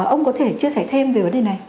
ông có thể chia sẻ thêm về vấn đề này